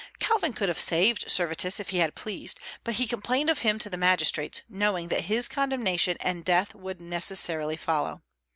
Calvin could have saved Servetus if he had pleased; but he complained of him to the magistrates, knowing that his condemnation and death would necessarily follow.